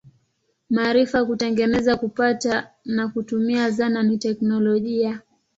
Maarifa ya kutengeneza, kupata na kutumia zana ni teknolojia.